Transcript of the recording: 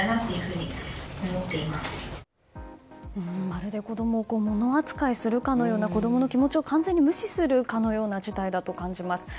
まるで子供をもの扱いするかのような子供の気持ちを完全に無視するかのような事態だと感じます。